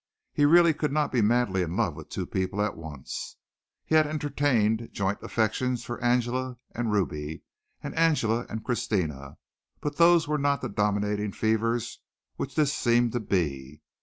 He really could not be madly in love with two people at once. He had entertained joint affections for Angela and Ruby, and Angela and Christina, but those were not the dominating fevers which this seemed to be.